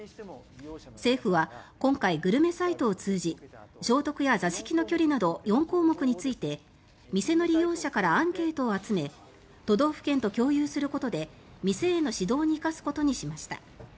政府は、今回グルメサイトを通じ消毒や座席の距離など４項目について店の利用者からアンケートを集め都道府県と共有することで店への指導に生かすことにしました。